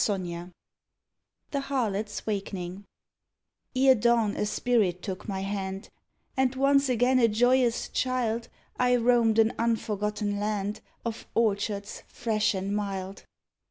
121 THE HARLOT'S WAKENING Ere dawn a spirit took my hand, And once again, a joyous child, I roamed an unforgotten land Of orchards fresh and mild.